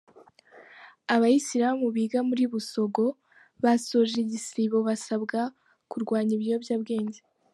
Abayisilamu biga muriBusogo basoje igisibo basabwa kurwanya ibiyobyabwenge